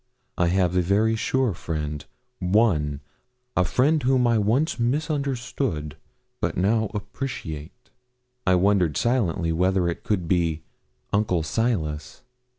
I have a very sure friend one a friend whom I once misunderstood, but now appreciate.' I wondered silently whether it could be Uncle Silas.